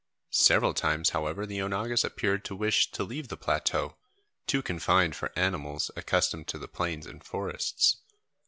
Several times, however, the onagas appeared to wish to leave the plateau, too confined for animals accustomed to the plains and forests.